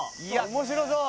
面白そう！